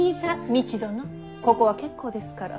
道殿ここは結構ですから。